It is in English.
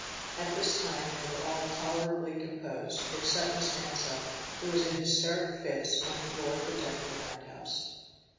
At this time they were all tolerably composed, except Miss Mansel, who was in hysteric fits, on the floor of the deck of the round house.